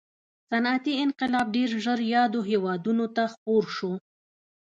صنعتي انقلاب ډېر ژر یادو هېوادونو ته خپور شو.